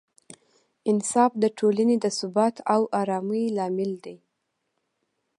انصاف د ټولنې د ثبات او ارامۍ لامل دی.